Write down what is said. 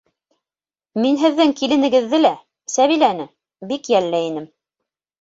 Мин һеҙҙең киленегеҙҙе лә, Сәбиләне, бик йәлләй инем...